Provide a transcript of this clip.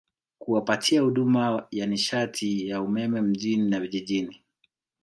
kuwapatia huduma ya nishati ya umeme mjini na vijijini